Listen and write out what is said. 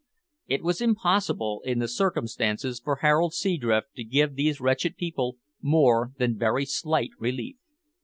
It was impossible, in the circumstances, for Harold Seadrift to give these wretched people more than very slight relief.